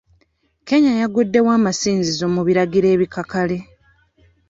Kenya yaguddewo amasinzizo mu biragiro ebikakali.